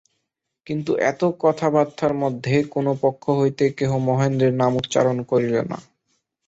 কিন্তু এত কথাবার্তার মধ্যে কোনো পক্ষ হইতে কেহ মহেন্দ্রের নাম উচ্চারণ করিল না।